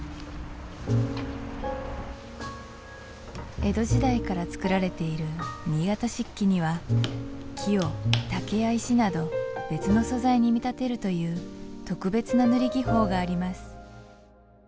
江戸時代からつくられている新潟漆器には木を竹や石など別の素材に見立てるという特別な塗り技法があります